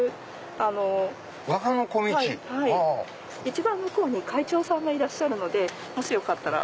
一番向こうに会長さんがいるのでもしよかったら。